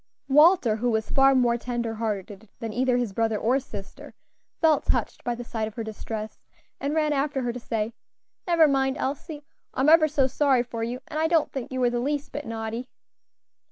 Walter, who was far more tender hearted than either his brother or sister, felt touched by the sight of her distress, and ran after her to say, "Never mind, Elsie; I am ever so sorry for you, and I don't think you were the least bit naughty."